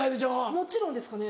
もちろんですかね